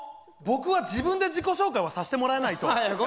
僕は自分で自己紹介をさせてもらえないと。